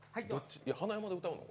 花山で歌うの？